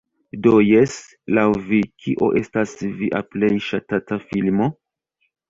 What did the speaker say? Do jes, laŭ vi, kio estas via plej ŝatata filmo?